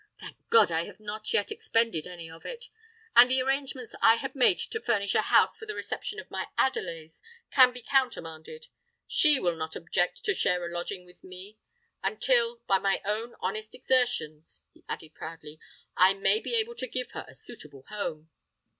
Thank God! I have not yet expended any of it—and the arrangements I had made to furnish a house for the reception of my Adelais, can be countermanded. She will not object to share a lodging with me—until, by my own honest exertions," he added proudly, "I may be able to give her a suitable home."